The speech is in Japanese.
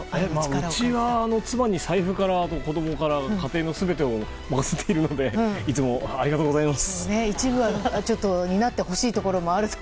うちは妻に財布から子供から家庭の全てを任せているのでいつもありがとうございます。